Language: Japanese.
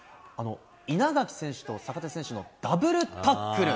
稲垣選手と坂手選手のダブルタックル。